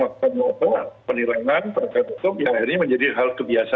maksudnya penilangan perangkat hukum ya akhirnya menjadi hal kebiasaan